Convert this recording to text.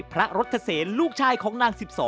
พระรัชเศรษฐ์ลูกชายของนาง๑๒